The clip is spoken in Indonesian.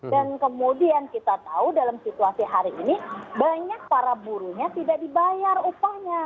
dan kemudian kita tahu dalam situasi hari ini banyak para buruhnya tidak dibayar upahnya